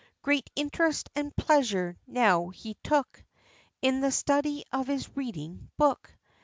Great interest and pleasure now he took In the study of his reading book.